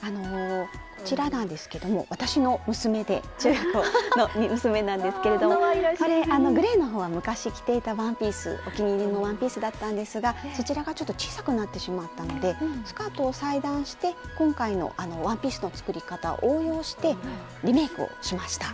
こちらなんですけども私の娘で中学生の娘なんですけれどグレーの方は昔着ていたワンピースお気に入りのワンピースだったんですがそちらがちょっと小さくなってしまったのでスカートを裁断して今回のワンピースの作り方を応用してリメークをしました。